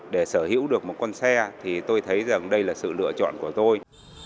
để sở hữu được một con xe thì tôi thấy rằng đây là sự lựa chọn của tôi